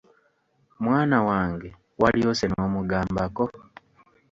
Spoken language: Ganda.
Mwana wange walyose n'omugambako!